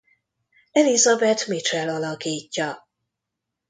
Elizabeth Mitchell alakítja.